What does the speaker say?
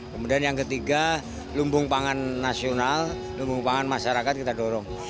kemudian yang ketiga lumbung pangan nasional lumbung pangan masyarakat kita dorong